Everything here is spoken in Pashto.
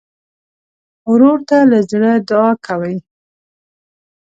ورور ته له زړه دعا کوې.